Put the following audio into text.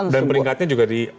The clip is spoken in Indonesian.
dan peringkatnya juga di